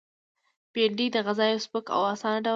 بېنډۍ د غذا یو سپک او آسانه ډول دی